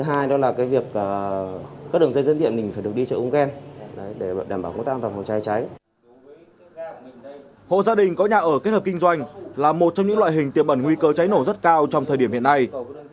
hộ gia đình có nhà ở kết hợp kinh doanh là một trong những loại hình tiêm ẩn nguy cơ cháy nổ rất cao trong thời điểm hiện nay